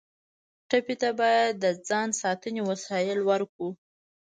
ټپي ته باید د ځان ساتنې وسایل ورکړو.